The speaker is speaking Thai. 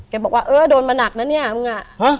บอกว่าเออโดนมาหนักนะเนี่ยมึงอ่ะ